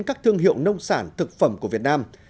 các thương hiệu nông sản thực phẩm của việt nam